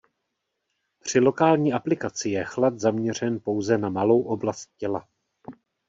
Při lokální aplikaci je chlad zaměřen pouze na malou oblast těla.